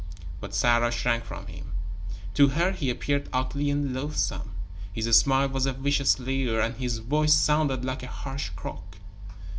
But Sarah shrank from him. To her, he appeared ugly and loathsome. His smile was a vicious leer, and his voice sounded like a harsh croak.